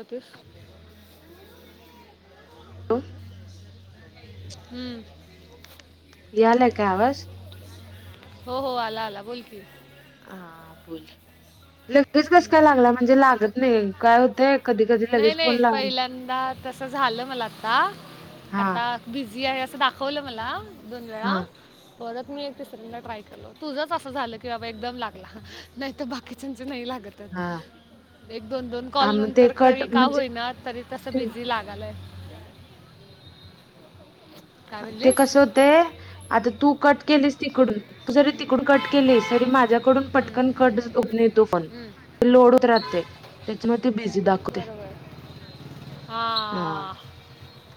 Okay. लो हम्म. याल. लाय काय आवाज? हो हो आला आला बोल की. हा बोल, लगेच कसं काय लागला म्हणजे लागत नाही काय होतंय? कधी कधी नाही लगेच फोन नाही लाग पहिल्यांदा तस झालं मला आता, हा आता बिझी आहे असं दाखवलं मला दोन वेळा. हा परत मी एक तिसऱ्यांना ट्राय केलो तुझंच असं झालं की बाबा एकदम लागला, नाही तर बाकीच्यांचे नाही लाग हा एक दोन दोन आ मग ते कॉलनंतर कट तरी का म्हणजे होईना, तरी तसं बीजी लागलाय काय ते म्हणलीस कस होते? आता तू कट केलीस तिकडून. तू जरी तिकडून कट केलेस तरी माझ्याकडून पटकन हम्म, कट नई तो फोन. हम्म. लोड होतं राहते, त्याच्यामुळे ती बिझी दाखवते. हा.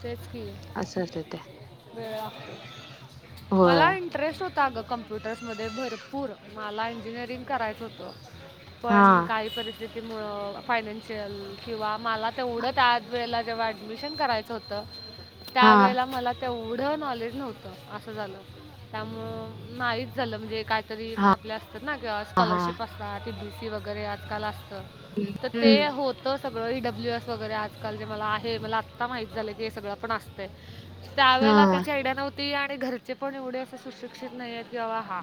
तेच की असच ये देते. वेळ लागतोय, होय मला इंटरेस्ट होता अगं कंपन कंम्प्युटर्समध्ये भरपूर, मला इंजिनिअरिंग करायचं होतं. हा पण काही परिस्थि तीमुळं फायनान्शियल किंवा मला तेवढं त्या वेळेला जेव्हा ॲडमिशन करायचं. च होत हा त्यावेेळेला मला तेवढं नॉलेज नव्हतं, असं झालं त्यामुळ माहीत झालं म्हणजे काहीतरी हा आपल्या असतात ना हा हा स्कॉलरशिप असत हा ते बीसी वगैरे आजकाल असत, तर ते हम्म होत तर सगळं ई डब्ल्यू एस वगैरे आजकाल जे मला आहे, मला आत्ता माहीत झालं की हे सगळं पण असतय. त्यावेळेला हा. त्याची आयडिया नव्हती आणि घरचे पण एवढे असे सुशिक्षित नाहीत. कि बाबा हा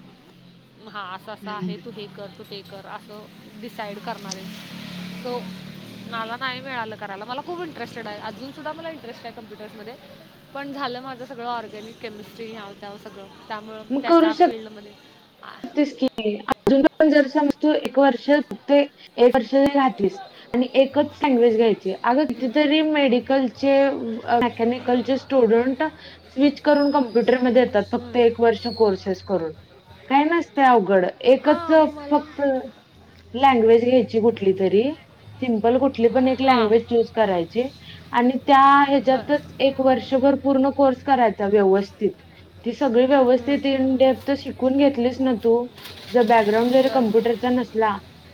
हा असं असं हम्म आहे तू हे कर तू ते क र असं डिसाईड करणारे सो. मला नाही मिळालं करायला मला खूप इंटरेस्टेड आहे अजून सुद्धा मला इंटरेस्ट आहे कम्प्युटर्स मध्ये. पण झालं माझं सगळं ऑर्गॅनिक केमिस्ट्री ह्याव त्याव सगळं त्यामुळ त्यात फिल्ड मध्ये आ तेच की अजून पण जर समज तू एक वर्ष ते एक वर्ष नाय घातलीस आणि एकच लँग्वेज घ्यायची अगं हम्म, कितीतरी मेडिकलचे अ मेकॅनिकलचे स्टुडंट स्विच करून कम्प्युटरमध्ये येतात फक्त हम्म. एक वर्ष कोर्सेस करून. काय नसते अवघड एकच हां मग मला फक्त लँग्वेज घ्यायची कुठली तरी सिमपल कुठली पण एक हां लँग्वेज चूज करायचे अणि त्या बरं ह्याच्यातच एक वर्षभर पूर्ण कोर्स करायचा व्यवस्थित ती सगळी हम्म, व्यवस्थित इन डेपथ शिकून घेतलीच ना तू तुझा बॅग्राऊंड जरी बरं कमप्युटर च्या नसला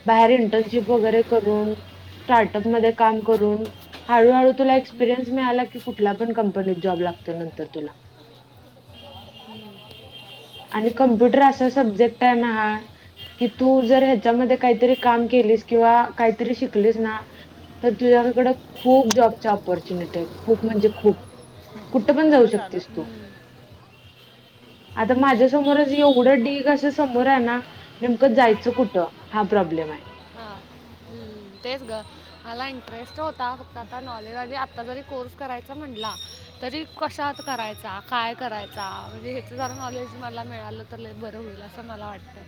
बाहेर इंटर्नशिप वैगेरे करून स्टार्टअप मध्ये काम करून हळू हळू तुला हम्म, एक्स्पिरियन्स मिळाला की कुठल्या पण कंपनीत जॉब लागतो नंतर तुला. [unintelligible] आणि कम्प्युटर असा सब्जेक्ट आहे ना हा कि तू जर ह्याच्यामध्ये काहीतरी काम केलीस किंवा काहीतरी शिकलीस ना तर तुझ्याकडे खूप जॉबच्या ऑपॉर्च्युनिटी आहेत खूप म्हणजे खूप. कुठ पण जाऊ लवकर का आलं शकतेस तू हम्म. आता माझ्यासमोरच येऊ पुढं डीग असं समोर आहे ना नेमकं जायचं कुठं हा प्रॉब्लेम आहे. हां हम्म, तेच गं मला इंटरेस्ट होता फक्त आता नॉलेज आणि आता जरी कोर्स करायचा म्हणला तरी कशात करायचा काय करायचा म्हणजे ह्याचं जरा नॉलेज मला मिळालं तर लई बरं होईल असं मला वाटतय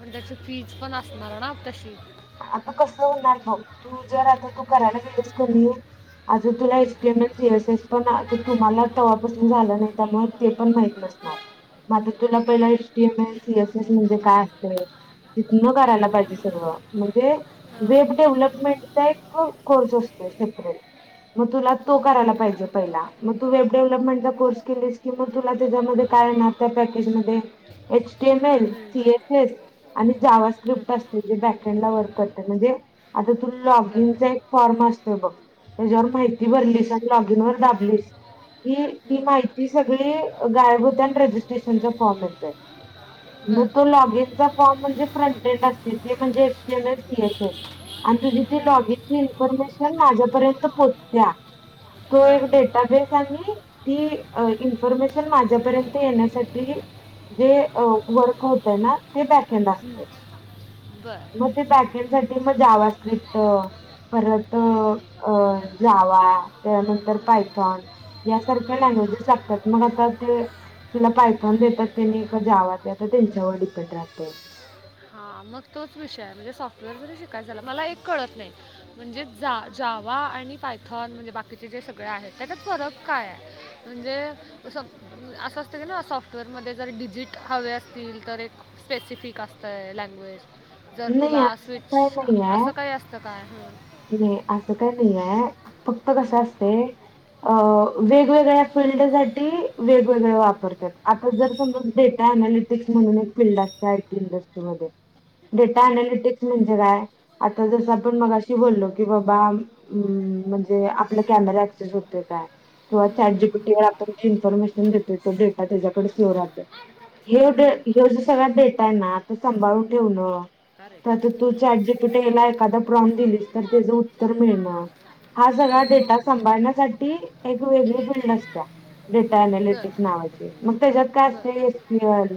पण त्याची फीज पण असणार ना तशी. आता कसं होणार बघ तू जर आता तू हम्म, करायला गेलीस क नाही आज तुला हम्म, S T M N C S S पण आ तुझा तुम्हाला तव्हापासून झालं नाही त्यामुळे ते पण माहित नसणार. म आता तुला पहिला S T M N C S S म्हणजे काय असतय तिथनं करायला पाहिजे सगळं. म्हणजे हां हां वेब डेव्हलपमेंटचा एक कोर्स असतोय सेपरेट. मग तुला तो करायला पाहिजे पहिला मग तू वेब डेव्हलपमेंटचा कोर्स केलीस की मग तुला त्याच्यामध्ये काय येणार त्या पॅकेजमध्ये एच टी एम एल हम्म, सी एस एस आणि जावा स्क्रिप्ट हम्म, असते जे बॅक एंडला वर्क करते म्हणजे आता तू लॉगइन चा एक फॉर्म असतोय बघ त्याच्यावर माहिती भरलीस आणि लॉगइन वर दाबलीस कि ती माहिती सगळी गायब होते या आणि रजिस्ट्रेशन चा फॉर्म येतोय बर हम्म, हम्म, बर मग तो लॉग इनचा फॉर्म म्हणजे प्रंटेन्ड असते ते म्हणजे H T M N S C S S आणि तुझी ती हम्म, लॉगिनची इन्फॉर्मेशन माझ्यापर्यंत पोहोचत्या. तो हां एक डेटाबेस आणि ती इन्फॉर्मेशन माझ्यापर्यंत येण्यासाठी जे अ वर्क होतय ना ते बॅक एंड असते. बरं म ते बॅकएंडसाठी म जावा स्क्रिप्ट परत हम्म, अ जावा त्याज्यानंतर हम्म, पायथान यासारख्या हम्म. लँग्वेजेस लागतात मग आता ते तुला पायथॉन देतात त्यांनी का जावा त्या त्यांच्यावर डिपेंड राहते. हा मग तोच विषय आहे म्हणजे सॉफ्टवेअर जरी शिकायचाला मला एक कळत नाही म्हणजे जा जावा आणि पायथॉन म्हणजे बाकीचे जे सगळे आहेत त्याच्यात फरक काय? म्हणजे स असं असतं की ना सॉफ्टवेअरमध्ये जर डिजिट हवे असतील तर एक स्पेसिफिक असतय लैंग व्हय, जर नाही तुला असं स्विच असं काही असतं काय होय. नाय असं काय नाहीये, फक्त कसं असतंय. अं वेगवेगळ्या फिल्डसाठी वेगवेगळ्या वापरतात, आता जर समजा डेटा एनालिस तेच म्हणून एक फीलल्ड असते आयटी इंडस्ट्रीमध्ये. डेटा हं, अनालिटिक्स म्हणजे काय? आता जसं हं, हं, आपण मगाशी बोललो. की बाबा म्हणजे अं आपला कॅमेरा अऍक्सेस होतोय काय? किंवा हं, हं, हं, चॅजीपीटी हं. मुळं आपण जी इन्फॉर्मेशन देतोय, तो डेटा त्याच्याकडे सेव राहतोय. ह्यो हं, डे हं. ह्यो जो सगळा डेटा आहे ना सांभाळून ठेवणं, बरं, बरं. तो आता तू हं, चॅट जीपी तिथं हाय ना एखादा प्रॉम्प्ट दिलीस तर तेजं उत्तर मिळणं. हा डेटा सगळा संभाळण्यासाठी ती एक वेगळी फिल्ड असत्या, डेटा अनालिटिक्स नावाची. मग त्याच्यात काय असतंय, एस पी एल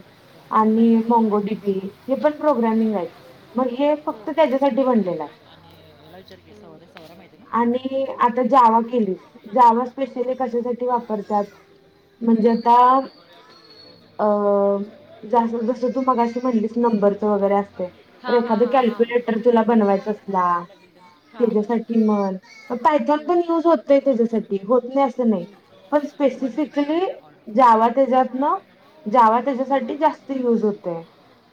आणि हं, मंगोडीपी हे पण प्रोग्रामिंग आहेत. मग हे हं. फक्त त्याच्यासाठी बनलेलं हाय. आणि [unintelligible] आणि आता जावा केलीस, जावा स्पेशली कशासाठी वापरतात? म्हणजे हम्म. आता अ जसं जसं तू मगाशी म्हटलीस, नंबरचं वगैरे असतंय. तर हा हा एखादं हा हा कॅल्क्युलेटर तुला बनवायचा असला, हा त्याच्यासाठी म्हण अ टायथन हम्म. पण युज होतंय त्याच्यासाठी, होत नाही असं नाही. हम्म. पण हम्म. वन फिफ्टी स्पेसिफिकली थ्री आहे ऑल जावा त्याच्यातनं जावा हम्म. त्याच्यासाठी जास्त युज होतंय.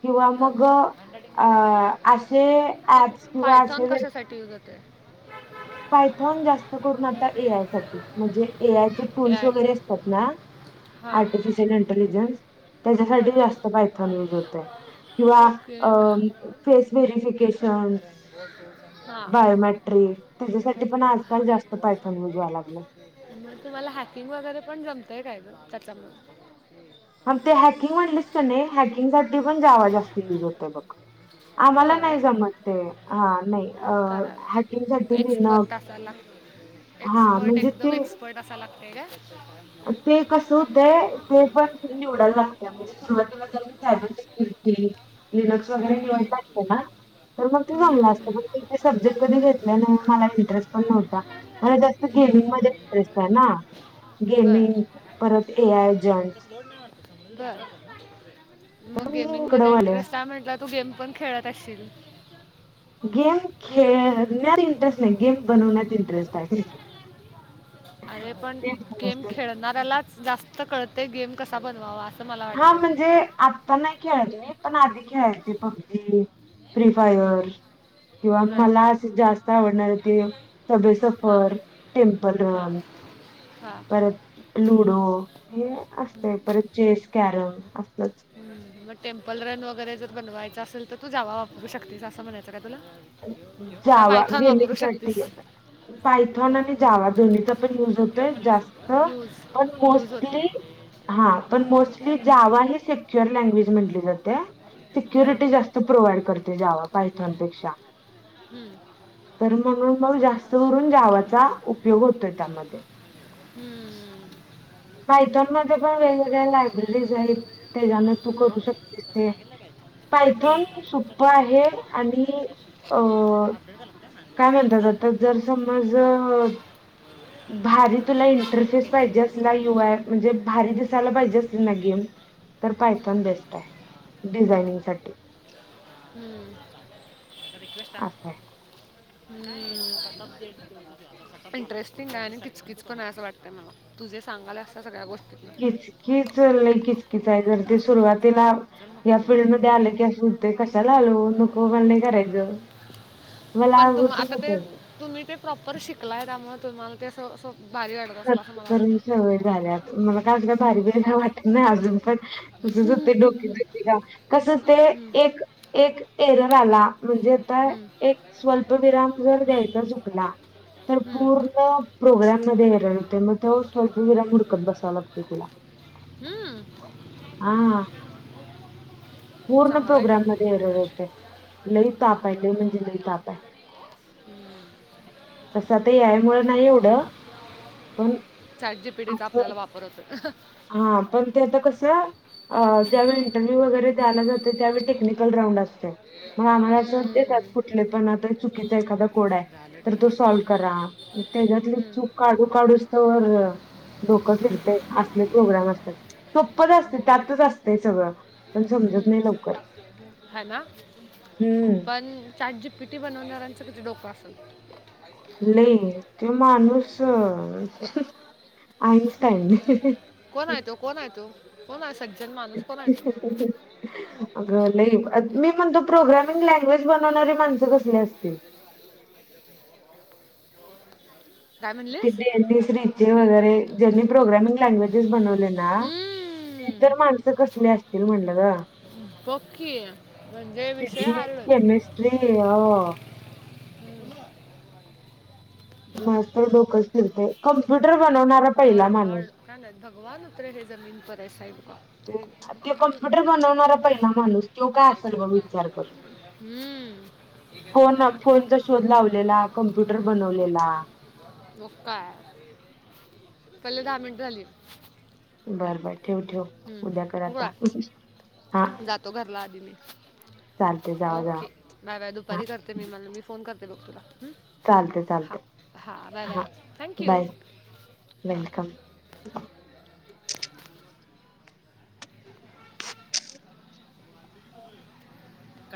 किंवा मग बर हँडरायटिंग अ दिलं सर असे ऍप्स किंवा असे व्य साठी युज होतं. पायथॉन जास्त करून आता एआय साठी. म्हणजे ए आयचे टूल्स आय वगैरे असतात ना, हा आर्टिफिशियल एंटलिजन्स त्याच्यासाठी बर जास्त पायथॉन यूज होतंय किंवा ओके अ फेस व्हेरिफिकेशन, हा बायोमॅट्रिक हे त्याच्यासाठी पण पाहिलेलं आजकाल आहे जास्त फर्स्ट पायथॉन युज व्हायला लागलंय. नंबर मग तुम्हाला हॅकिंग वगैरे पण जमतंय काय गं त्याच्यामुळं? हं ते हॅकिंग म्हंटलीस का नाही, हॅकिंगसाठी पण जावा जास्त युज होतोय बघ. आम्हाला होय नाही जमत ते, हा नाही. अ हॅकिंग साठी लिहिणं चालला. हा म्हणजे ते कसा लागतोय गं? अ ते कसं होतंय ते पण निवडायला लागत्या. म्हणजे सुरुवातीला जरा सायबर सिक्युरिटी. [unintelligible] वगैरे निवांत असतं ना? तर मग ते बघणार, [unintelligible] सब्जेक्ट कधी घेतल्या नाही म्हणून मला इंटरेस्ट पण नव्हता. मला जास्त गेमिंग मध्ये इंटरेस्ट आहे ना, गेमिंग परत एआय जंट. बोल ना. बर तर मग मी इकडं गेमिंगमध्ये वाले इंटरेस्ट आहे म्हणल्यावर तू गेम शपण खेळत असशील? गेम खेळण्यात इंटरेस्ट नाही, गेम बनवण्यात इंटरेस्ट आहे. अरे पण गेम ते खेळणाऱ्यालाच जास्त कळतेशंय गेम कसा बनवावा. मला हां वाटतं म्हणजे आत्ता नाही खेळत मी, पण आधी खेळायचे पबजी फ्री हम्म, फायर किंवा बर मला असे जास्त आवडणारे ते हां सबेसफर टेम्पल रन हा. परत लुडो हे असते हम्म, परत चेस, कॅरम असलंच. हम्म. मग टेम्पल रन वगैरे जर बनवायचं असेल तर तू जावा वापरू शकतेस असं म्हणायचं का तुला? काय जावा पायथॉन वापरू गेमिंगसाठी शकतेस गे पायथॉन हा आणि जावा दोन्हीचा पण युज ठेव होतोय म्हणली जास्त सोबत यूज पण यूज होतं मोस्टली ते तेवढं हा माहिती पण नव्हतं मला मोस्टली काय लागलं जावा हे श शेअर लँग्वेज म्हटली जाते हा सिक्युरिटी जास्त प्रोव्हाइड करते जावा पायथॉन पेक्षा हम्म. तर म्हणून मग जास्त करून जावाचा उपयोग होतोय त्यामध्ये हम्म्म. पायथॉन मध्ये पण वेगवेगळ्या लायब्ररीज आहेत हा, त्याच्यानं तू आपण हम्म. करू शकतेस तसं ते. सांगितलं काय पायथॉन हम्म. मग तुमचं सोपं आहे डॉक्युमेंट आलं तुला आणि तुम्हाला काय शिफ्ट अ अपडेट झालं काय म्हणतात सांगितलं आत्ता जर समज भारी तुला शिफ्ट चेंज इंटरफेस केलीच पाहिजे अस नको तर यु तुला आय म्हणजे भारी दिसायला पाहिजे असली ना गेम तर पायथॉन हम्म. बेस्ट आहे. डिझायनिंग साठी हम्म. असं हाय हम् इंटरेस्टिंग आहे आणि किचकीच पण आहे असं वाटतं मला तुझे सांगाल्यास त्या सगळ्या गोष्टी. किचकीच लय किचकीच आहे जर ते सुरुवातीला चल या मग थोडा फिल्डमध्येध्ये हम्म. आले की अस ते कशाला आलो नको मला नाही करायचं मला पण तुम आवडतच आता ते होत. तुम्ही ते प्रॉपर शिकलाय त्यामुळे तुम्हाला ते सोपं करून करून सवय झाल्या. पण मला काय भारी हम्म. वाटत नाही काय अजून पण. कसच होतय हम्म. डोकेदुखी कस ते एक एक एरर आला म्हणजे हम्म. आता स्वल्पविराम जर द्यायचा चुकला तर हम्म. पूर्ण प्रोग्राम मध्ये ते तसं मग स्वल्पविराम हुडकत बसावं लागतंय तिला. हम्म. हा पूर्ण चांगला आहे की प्रोग्राम मग. मध्ये एरर येतंय. लय हम्म. ताप हाय लय म्हणजे लय ताप हाय. हम्म. तसं आता ए आय मुळं नाही एवढं. पण चॅट जीपीटीचा अस आपल्याला वापर होतो हा पण ते आता कस. आ ज्यावेळी इंटरव्ह्यू वगैरे द्यायला जातोय त्यावेळी टेक्निकल राउंड असतोय. मग आम्हाला असं होतय त्यात हम्म. कुठले पण आता चुकीचा एखादा कोड हाय. झालं तर तो डिलिव्हरी सॉल्व करा मग त्याच्यातली हम्म. चूक काढू काढूस तवर डोकं फिरतय असले प्रोग्राम असतात सोपच असते त्यातच असते सगळं. पण समजत नाय लवकर. हा ना हम्म पण चाट जीपीटी बनवणाऱ्यांचं किती डोकं असल. लई तो माणूस आईन्स्टाईन. कोण आहे तो कोण आहे? तो सज्जन माणूस कोण आहे तो? अगं लई मी म्हणतो प्रोग्रामिंग लँग्वेज बनवणारे माणसं कसले असतील. काय म्हणलीस तिथे [unintelligible] रिचेल वगैरे ज्यांनी प्रोग्रामिंग लँग्वेजेस बनवले. ती हम्म तर माणसं कसली असतील म्हणलं ग. बग की म्हणजे विषय हार्डच. रे अ माझं तर डोकंच फिरतंय कॉम्प्युटर बनवणा- लॉर्ड लॉर्ड कायनाय, भगवान उतरे हेै जमीन पर एसाही होगा. ते, त्यो कम्प्युटर बनवणारा पहिला माणूस त्यो काय असेल बघ विचार कर. हम्म होना, फोनचा शोध लावलेला कम्प्युटर बनवलेला. मग काय, पाहिले दहा मिनट झाली. बर बर, ठेव ठेव, उद्याकर हम्म आता हा. तो घरला आली मी, चालते जावा ओके. जावा बाय बाय हा दुपारी करते मी म मी फोन करते बघ तुला. चालते हा चालते बाय हा बाय थँक्यू बाय हा वेलकम